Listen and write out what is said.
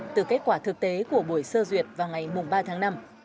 từ kết quả thực tế của buổi sơ duyệt vào ngày ba tháng năm